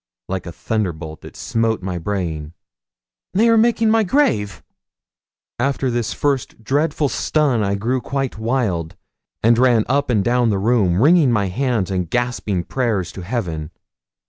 Like a thunderbolt it smote my brain. 'They are making my grave!' After the first dreadful stun I grew quite wild, and ran up and down the room wringing my hands and gasping prayers to heaven.